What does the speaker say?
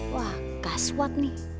wah gaswat nih